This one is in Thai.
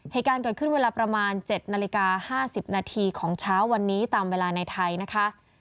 เหตุการณ์เกิดขึ้นเวลาประมาณ๗นาฬิกา๕๐นาทีของเช้าวันนี้ตามเวลาในไทยนะคะ